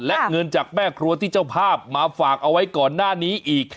และเงินจากแม่ครัวที่เจ้าภาพมาฝากเอาไว้ก่อนหน้านี้อีก